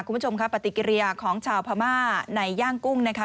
คุณผู้ชมค่ะปฏิกิริยาของชาวพม่าในย่างกุ้งนะคะ